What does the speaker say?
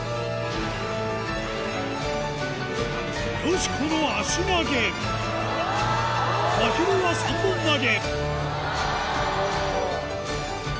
よしこの足投げまひるは３本投げ